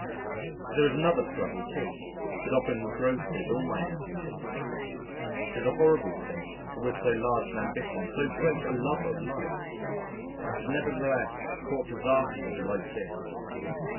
There is another struggle, too, that often engrosses all my energies.... It is a horrible thing that with so large an ambition, so great a love of life, I should nevertheless court disaster like this.